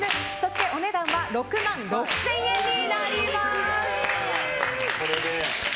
お値段は６万６０００円になります。